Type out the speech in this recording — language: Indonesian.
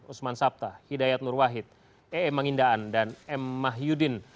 usman sabta hidayat nur wahid eem mangindaan dan m mahyudin